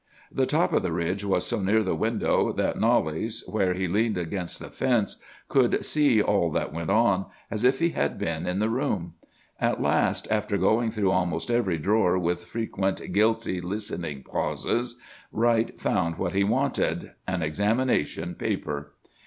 The top of the ridge was so near the window that Knollys, where he leaned against the fence, could see all that went on, as if he had been in the room. At last, after going through almost every drawer with frequent guilty, listening pauses, Wright found what he wanted, an examination paper!